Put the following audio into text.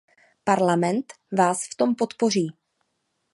Parlament vás v tom podpoří.